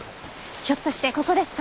ひょっとしてここですか？